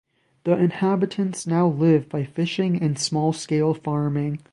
The inhabitants now live by fishing and small-scale farming.